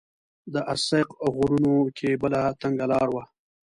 د السیق غرونو کې بله تنګه لاره وه.